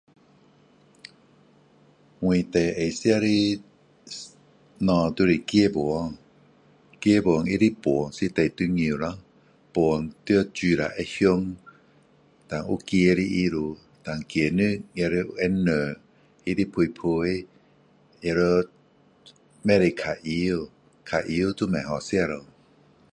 我最爱吃的东西就是鸡饭鸡饭他的饭是最重要咯饭要煮了会香然后有鸡的味道然后鸡肉也要会嫩他的皮皮也要不可以太油太油就不好吃了